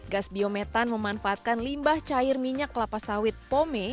gas biometan memanfaatkan limbah cair minyak kelapa sawit pome